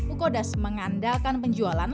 ukodas mengandalkan penjualan